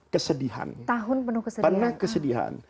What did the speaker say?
kesedihan tahun penuh kesedihan